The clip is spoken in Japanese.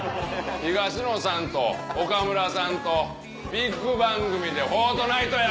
東野さんと岡村さんとビッグ番組で『フォートナイト』や！